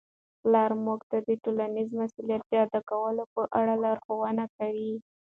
پلار موږ ته د ټولنیز مسؤلیت د ادا کولو په اړه لارښوونه کوي.